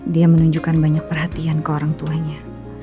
dia menunjukkan banyak perhatian ke orang tuanya